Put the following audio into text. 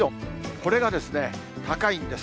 これが高いんです。